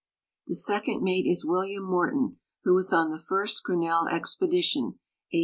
The second mate is William Morton, who was on the first Grinnell expedition, 1850 '!